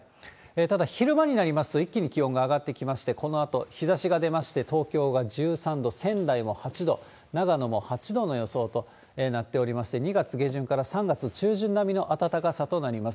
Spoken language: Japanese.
ただ、昼間になりますと、一気に気温が上がってきまして、このあと日ざしが出まして、東京が１３度、仙台も８度、長野も８度の予想となっておりまして、２月下旬から３月中旬並みの暖かさとなります。